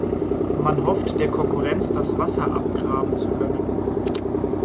Man hofft, der Konkurrenz das Wasser abgraben zu können.